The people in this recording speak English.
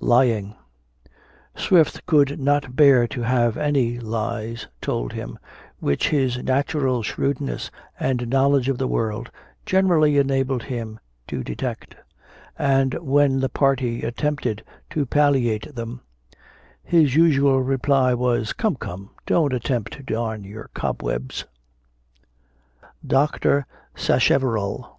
LYING. Swift could not bear to have any lies told him, which his natural shrewdness and knowledge of the world generally enabled him to detect; and when the party attempted to palliate them, his usual reply was "Come, come, don't attempt to darn your cobwebs." DR. SACHEVERELL.